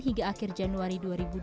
hingga akhir januari dua ribu dua puluh